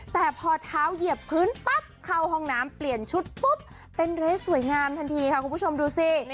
แต่พอเท้าเหยียบพื้นปั๊บเข้าห้องน้ำเปลี่ยนชุดปุ๊บเป็นเรสสวยงามทันทีค่ะคุณผู้ชมดูสิ